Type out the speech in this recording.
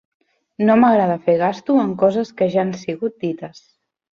No m'agrada fer gasto en coses que ja han sigut dites.